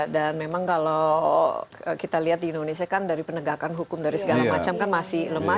dan memang kalau kita lihat di indonesia kan dari penegakan hukum dari segala macam kan masih lemah